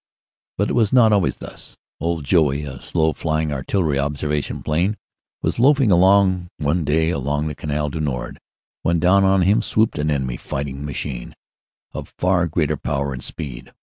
But it was not always thus. "Old Joey," a slow flying artillery observation plane, was loafing one day along the Canal du Nord, when down on him swooped an enemy fighting machine, of far greater power and speed.